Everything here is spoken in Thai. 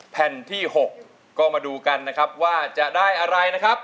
แผ่นที่๖ก็มาดูกันนะครับว่าจะได้อะไรนะครับ